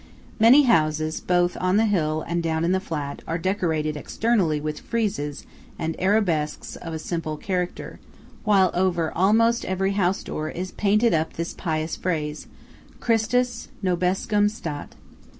Many houses, both on the hill and down in the flat, are decorated externally with friezes and arabesques of a simple character; while over almost every house door is painted up this pious phrase:–"Christus Nobiscum Stat."